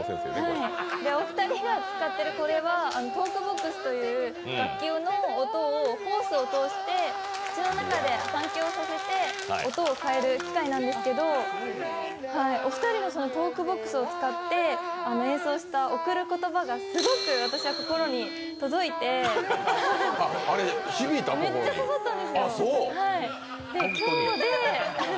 お二人が使っているこれはトークボックスという学級の音をホースを通して、口の中で換気をさせて、音を変える機械なんですけど、お二人のトークボックスを使った「贈る言葉」がめっちゃ刺さって。